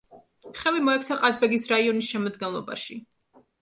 ხევი მოექცა ყაზბეგის რაიონის შემადგენლობაში.